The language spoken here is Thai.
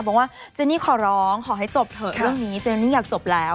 บอกว่าเจนี่ขอร้องขอให้จบเถอะเรื่องนี้เจนนี่อยากจบแล้ว